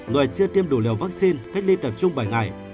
người chưa tiêm đủ liều vaccine cách ly tập trung bảy ngày